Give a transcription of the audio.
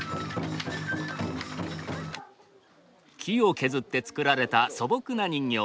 木を削って作られた素朴な人形。